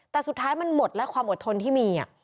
แต่สุดท้ายมันหมดและความอดทนที่มี